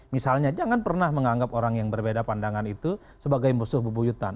misalnya jangan pernah menganggap orang yang berbeda pandangan itu sebagai musuh bebuyutan